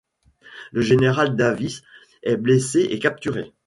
Le général Davies est blessé et capturé.